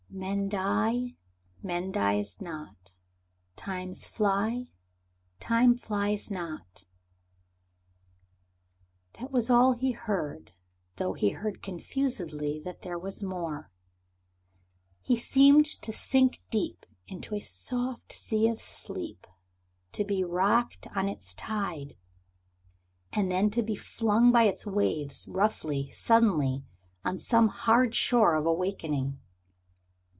"Men die, Man dies not. Times fly, Time flies not." That was all he heard, though he heard confusedly that there was more. He seemed to sink deep into a soft sea of sleep, to be rocked on its tide, and then to be flung by its waves, roughly, suddenly, on some hard shore of awakening.